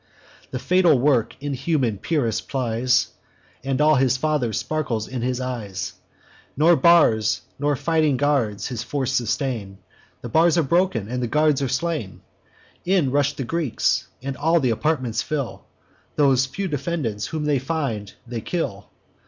The fatal work inhuman Pyrrhus plies, And all his father sparkles in his eyes; Nor bars, nor fighting guards, his force sustain: The bars are broken, and the guards are slain. In rush the Greeks, and all the apartments fill; Those few defendants whom they find, they kill.